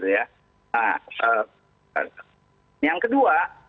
nah yang kedua